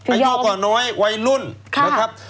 อายุกว่าน้อยวัยรุ่นนะครับ